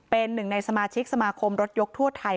เป็นหนึ่งในสมาชิกสมาคมรถยกทั่วไทย